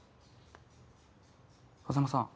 風真さん。